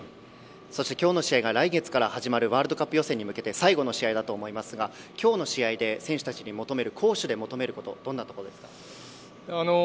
そして今日の試合が来月から始まるワールドカップ予選に向けて最後の試合だと思いますが今日の試合で選手たちに攻守で求めることはどんなことですか。